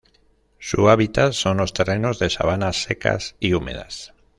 Su hábitat son los terrenos de sabanas secas y húmedas.